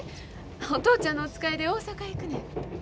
お父ちゃんのお使いで大阪へ行くねん。